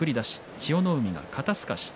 千代の海が肩すかし。